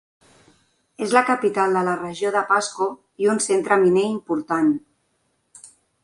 És la capital de la regió de Pasco i un centre miner important.